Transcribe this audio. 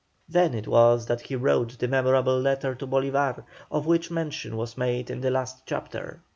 Then it was that he wrote the memorable letter to Bolívar, of which mention was made in the last chapter.